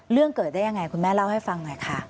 เรื่องเกิดได้ยังไงคุณแม่เล่าให้ฟังหน่อยค่ะ